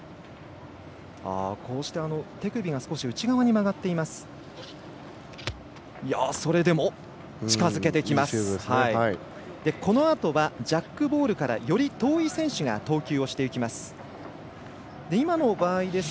手首が少し内側に曲がっています。